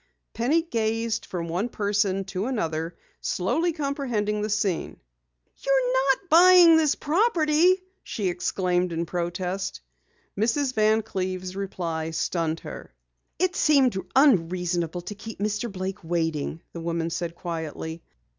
Penny gazed from one person to another, slowly comprehending the scene. "You're not buying this property!" she exclaimed in protest. Mrs. Van Cleve's reply stunned her. "It seemed unreasonable to keep Mr. Blake waiting," the woman said quietly.